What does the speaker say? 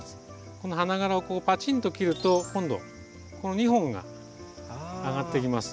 この花がらをこうパチンと切ると今度この２本があがってきます。